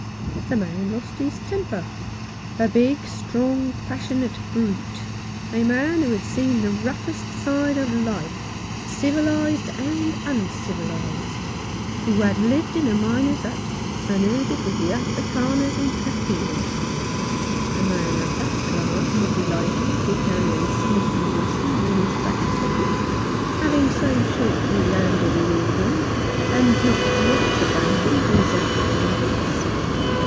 The man lost his temper— a big, strong, passionate brute — a man who had seen the roughest sjde of life, civilized and uncivilized — 122 "John Faunces Experiences. ■ No. 29. who had lived in a miner's hut, and herded with Afrikanders and Kaffirs. A man of that class would be likely to carry a Smith Wesson in his back pocket — having so shortly landed in England, and not yet abandoned his African habits.